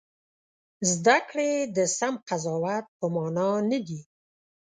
زده کړې د سم قضاوت په مانا نه دي.